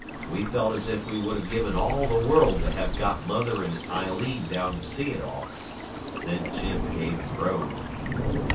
We felt as if we would have given all the world to have got mother and Aileen down to see it all. Then Jim gave a groan.